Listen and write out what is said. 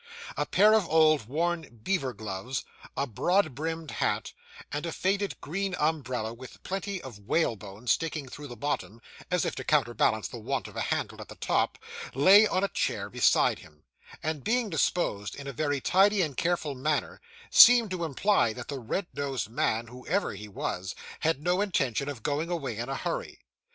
A pair of old, worn, beaver gloves, a broad brimmed hat, and a faded green umbrella, with plenty of whalebone sticking through the bottom, as if to counterbalance the want of a handle at the top, lay on a chair beside him; and, being disposed in a very tidy and careful manner, seemed to imply that the red nosed man, whoever he was, had no intention of going away in a hurry.